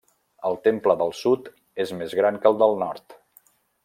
El temple del sud és més gran que el del nord.